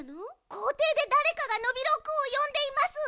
こうていでだれかがノビローくんをよんでいます。